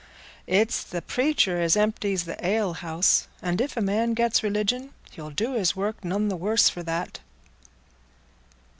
It's the preacher as empties th' alehouse; and if a man gets religion, he'll do his work none the worse for that."